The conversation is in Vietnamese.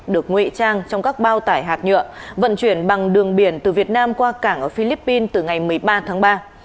được nguy trang trong các bao tải hạt nhựa vận chuyển bằng đường biển từ việt nam qua cảng ở philippines từ ngày một mươi ba tháng ba